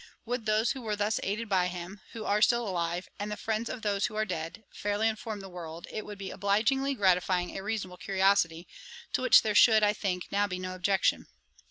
Would those who were thus aided by him, who are still alive, and the friends of those who are dead, fairly inform the world, it would be obligingly gratifying a reasonable curiosity, to which there should, I think, now be no objection.